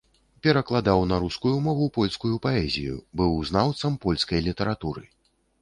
Перакладаў на рускую мову польскую паэзію, быў знаўцам польскай літаратуры.